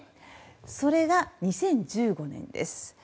それが、２０１５年です。